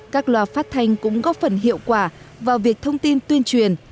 các loà phát thanh cũng góp phần hiệu quả vào việc thông tin tuyên truyền